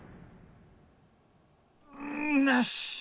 うんなし！